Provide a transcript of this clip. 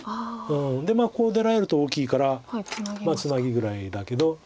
でこう出られると大きいからツナギぐらいだけど。